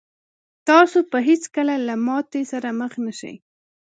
تاسو به هېڅکله له ماتې سره مخ نه شئ.